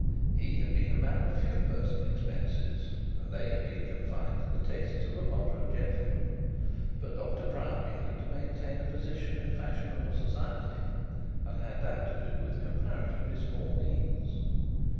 He had been a man of few personal expenses, and they had been confined to the tastes of a moderate gentleman; but Dr Proudie had to maintain a position in fashionable society, and had that to do with comparatively small means.